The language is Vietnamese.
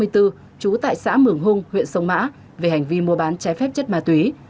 trú tại xã mường hung huyện sông mã về hành vi mua bán trái phép chất ma túy